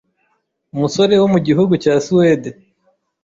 umusore wo mu gihugu cya Swede,